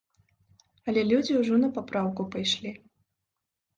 Але людзі ўжо на папраўку пайшлі.